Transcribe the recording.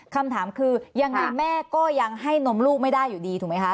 คำถามคือยังไงแม่ก็ยังให้นมลูกไม่ได้อยู่ดีถูกไหมคะ